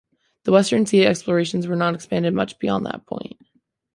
The western sea explorations were not expanded much beyond that point.